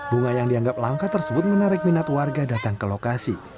bunga yang dianggap langka tersebut menarik minat warga datang ke lokasi